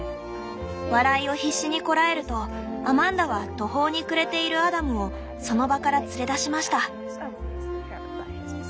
「笑いを必死にこらえるとアマンダは途方に暮れているアダムをその場から連れ出しました」。